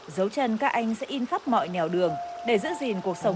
dấu chân các anh sẽ in khắp mọi nèo đường để giữ gìn cuộc sống